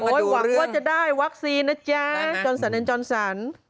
โอ้ยหวังว่าจะได้วัคซีนนะจ๊ะจนสัน